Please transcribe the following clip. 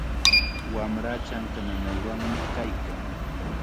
Wamraa chanka nanaywanmi kaykan.